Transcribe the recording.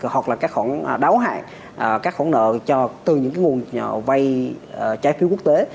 hoặc là các khoản đáo hạn các khoản nợ từ những nguồn vay trái phiếu quốc tế